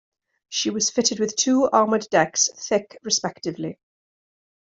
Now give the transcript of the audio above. She was fitted with two armoured decks, thick, respectively.